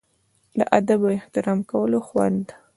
د ادب او احترام کولو خوند.